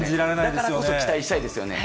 だからこそ期待したいですよね。